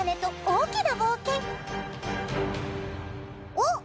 おっ！